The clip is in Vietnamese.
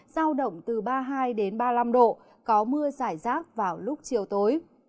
giao động từ ba mươi hai ba mươi năm độ có mưa giải rác vào lúc chiều tối